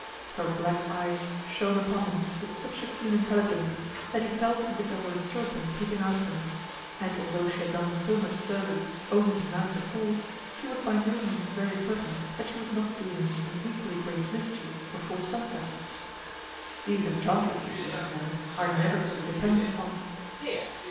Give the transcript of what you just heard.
Her black eyes shone upon him with such a keen intelligence that he felt as if there were a serpent peeping out of them, and although she had done him so much service only the night before, he was by no means very certain that she would not do him an equally great mischief before sunset. These enchantresses, you must know, are never to be depended upon.